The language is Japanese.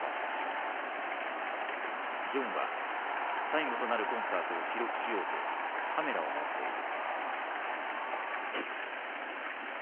ジョンは最後となるコンサートを記録しようとカメラを持っている。